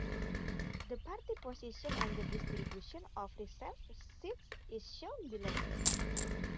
The party position and the distribution of reserved seats is shown below.